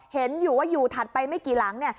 เห็นอยู่ว่าอยู่ถัดไปไม่กี่หลัง